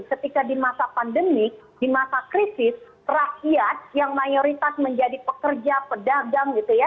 ketika di masa pandemi di masa krisis rakyat yang mayoritas menjadi pekerja pedagang gitu ya